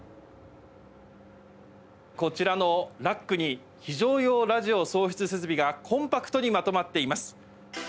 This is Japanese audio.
こちらのラックに非常用ラジオ送出設備がコンパクトにまとまっています。